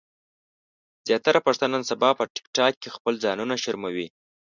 زياتره پښتانۀ نن سبا په ټک ټاک کې خپل ځانونه شرموي